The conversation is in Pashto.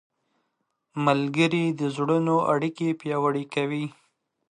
ملګري د زړونو اړیکې پیاوړې کوي.